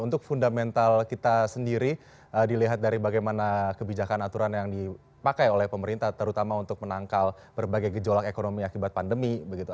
untuk fundamental kita sendiri dilihat dari bagaimana kebijakan aturan yang dipakai oleh pemerintah terutama untuk menangkal berbagai gejolak ekonomi akibat pandemi